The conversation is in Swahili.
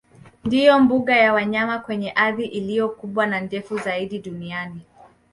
Ndiyo mbuga ya wanyama kwenye ardhi iliyo kubwa na ndefu zaidi duniani